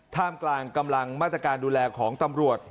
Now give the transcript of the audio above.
ท่ามกลางกำลังมาตรการดูแลของตำรวจ